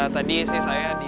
tadi saya di